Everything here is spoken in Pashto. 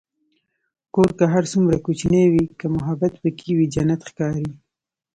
کور که هر څومره کوچنی وي، که محبت پکې وي، جنت ښکاري.